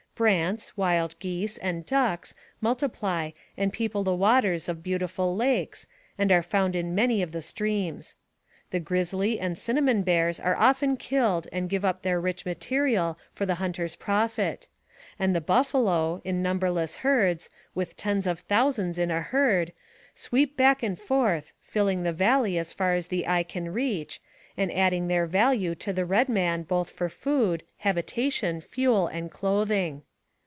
Brants, wild geese, and ducks multiply and people the waters of beautiful lakes, and are found in many of the streams. The grizzly and cinnamon bears are 98 NARRATIVE OF CAPTIVITY often killed and give up their rich material foi the hunter's profit; and the buffalo, in numberless herds, with tens of thousands in a herd, sweep back and forth, filling the valley as far as the eye can reach, and adding their value to the red man both for food, hab itation, fuel, and clothing.